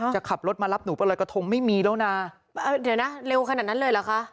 จะขับรถมารับหนูไปลอยกระทงไม่มีแล้วนะเดี๋ยวนะเร็วขนาดนั้นเลยเหรอคะ